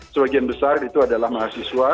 sebagian besar itu adalah mahasiswa